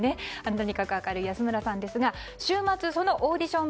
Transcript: とにかく明るい安村さんですが週末そのオーディション